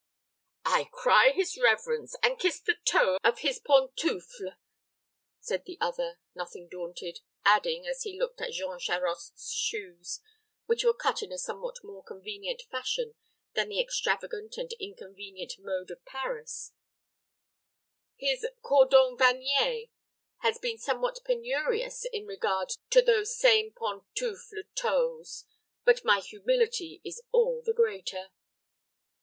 "I cry his reverence, and kiss the toe of his pantoufle," said the other, nothing daunted, adding, as he looked at Jean Charost's shoes, which were cut in a somewhat more convenient fashion than the extravagant and inconvenient mode of Paris, "His cordovanier has been somewhat penurious in regard to those same pantoufle toes, but my humility is all the greater."